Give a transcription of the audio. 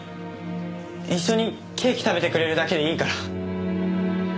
一緒にケーキ食べてくれるだけでいいから。